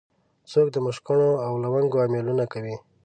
څوک د مشکڼو او لونګو امېلونه کوي